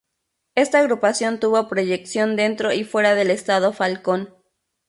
Esta agrupación tuvo proyección dentro y fuera del estado Falcón.